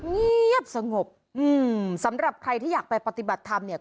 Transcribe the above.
เงียบสงบอืมสำหรับใครที่อยากไปปฏิบัติธรรมเนี่ย